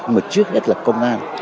mà trước hết là công an